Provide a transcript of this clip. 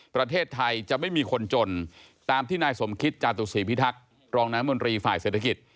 ประเทศไทยจะไม่มีคนจนตามที่นายสมคิตจาตุศีพิทักษ์รองน้ำมนตรีฝ่ายเศรษฐกิจ